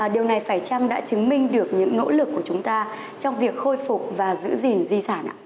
điều này phải chăng đã chứng minh được những nỗ lực của chúng ta trong việc khôi phục và giữ gìn di sản ạ